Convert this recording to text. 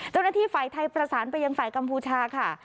เจ้าหน้าที่ฝ่ายไทยประสานไปยังฝ่ายกัมพูชาค่ะ